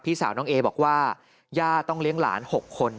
สาวน้องเอบอกว่าย่าต้องเลี้ยงหลาน๖คน